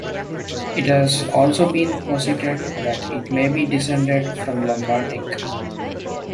It has also been posited that it may be descended from Lombardic.